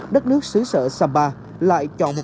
đất nước xứ sở samba